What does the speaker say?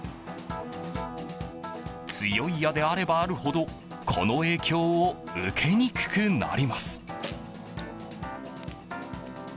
強い矢であればあるほどこの影響を受けにくくなります。